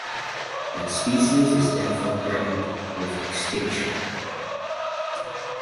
The species is therefore threatened with extinction.